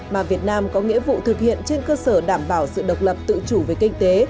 mà việt nam có nghĩa vụ thực hiện trên cơ sở đảm bảo sự độc lập tự chủ về kinh tế